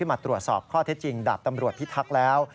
มาตรวจสอบข้อเท็จจริงดาบตำรวจพิทักษ์แล้ว